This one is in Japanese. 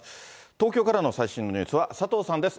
東京からの最新のニュースは、佐藤さんです。